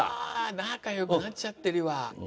仲よくなっちゃってるわ。